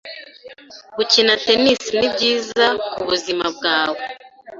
Gukina tennis nibyiza kubuzima bwawe.